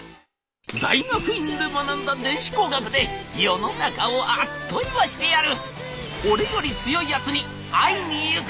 「大学院で学んだ電子工学で世の中をあっと言わせてやる」。